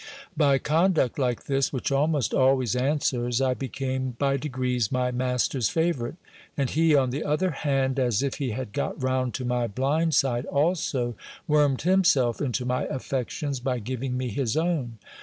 By conduct like lhis, which almost always answers, I became by degrees my master's favourite ; and he, on the other hand, as if he had got round to my blind side also, wormed himself into my affections, by giving me his own.